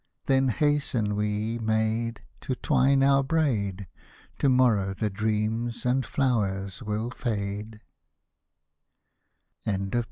Then hasten we, maid, To twine our braid. To morrow the dreams and flowers will fade.